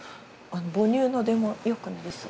母乳の出も良くなりそう。